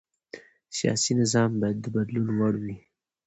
سیاسي نظام باید د بدلون وړ وي